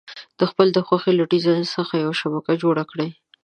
د خپلې خوښې له ډیزاین څخه یوه شبکه جوړه کړئ.